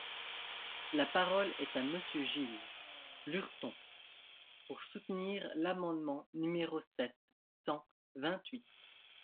La parole est à Monsieur Gilles Lurton, pour soutenir l’amendement numéro sept cent vingt-huit.